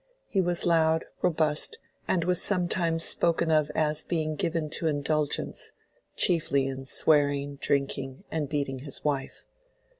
He was loud, robust, and was sometimes spoken of as being "given to indulgence"—chiefly in swearing, drinking, and beating his wife.